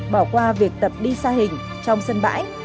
bỏ qua việc tập đi xa hình trong sân bãi